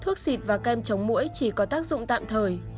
nước xịt và kem chống mũi chỉ có tác dụng tạm thời